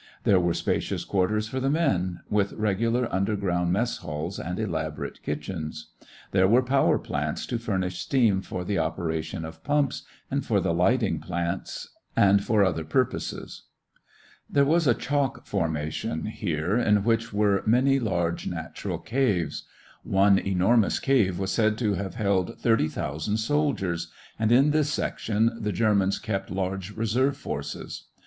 There were spacious quarters for the men, with regular underground mess halls and elaborate kitchens. There were power plants to furnish steam for the operation of pumps and for the lighting plants and for other purposes. [Illustration: (C) Underwood & Underwood Lines of Zig Zag Trenches as viewed from an Airplane] There was a chalk formation here in which were many large natural caves. One enormous cave was said to have held thirty thousand soldiers, and in this section the Germans kept large reserve forces.